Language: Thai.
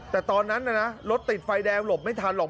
แต่ตอนนั้นรถติดไฟแดงหลบไม่ทันหรอก